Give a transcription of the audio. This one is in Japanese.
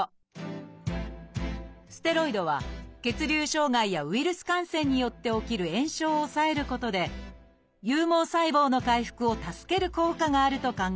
ステロイドは血流障害やウイルス感染によって起きる炎症を抑えることで有毛細胞の回復を助ける効果があると考えられています。